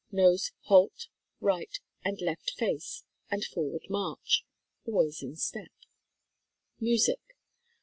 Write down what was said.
Knows "Halt," "Right," and "Left Face" and "Forward March." Always in step. Music.